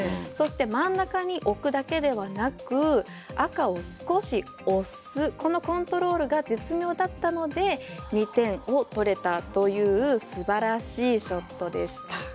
さらに真ん中に置くだけではなく赤を少し押すこのコントロールが絶妙だったので２点を取れたというすばらしいショットでした。